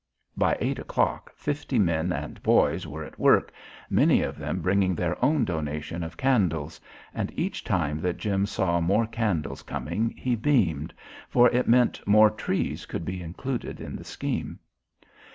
By eight o'clock, fifty men and boys were at work, many of them bringing their own donation of candles, and each time that Jim saw more candles coming he beamed, for it meant more trees could be included in the scheme.